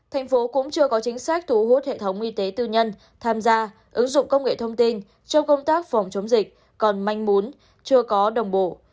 thành phố cũng chưa có chính sách thu hút hệ thống y tế tư nhân tham gia ứng dụng công nghệ thông tin trong công tác phòng chống dịch còn manh muốn chưa có đồng bộ